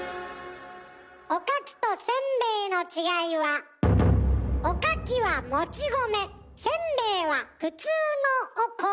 おかきとせんべいの違いはおかきはもち米せんべいは普通のお米。